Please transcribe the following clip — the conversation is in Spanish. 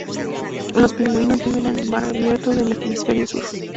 Los pingüinos viven en el mar abierto del hemisferio sur.